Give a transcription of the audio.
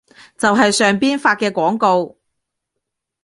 就係上邊發嘅廣告